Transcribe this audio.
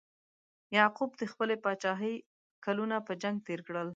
یعقوب د خپلې پاچاهۍ کلونه په جنګ تیر کړل.